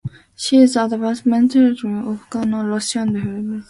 She is the ambassador of Ghana to the Russian Federation.